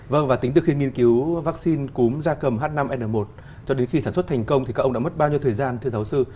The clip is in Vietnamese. vâng và tính từ khi nghiên cứu vaccine cúm da cầm h năm n một cho đến khi sản xuất thành công thì các ông đã mất bao nhiêu thời gian thưa giáo sư